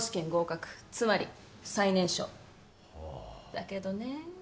だけどねぇ。